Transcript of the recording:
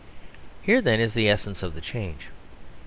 Here, then, is the essence of the change.